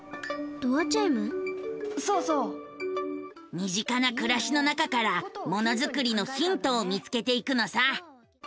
身近な暮らしの中からものづくりのヒントを見つけていくのさ。